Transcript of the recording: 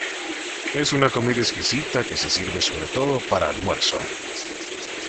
Es una comida exquisita que se sirve sobre todo para almuerzo.